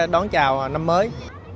đón chào năm mới